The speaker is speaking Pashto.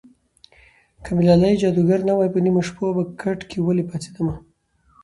که مې لالی جادوګر نه وای په نیمو شپو به کټ کې ولې پاڅېدمه